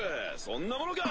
そんなものか？